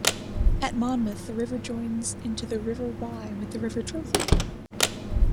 At Monmouth the river joins into the River Wye with the River Trothy.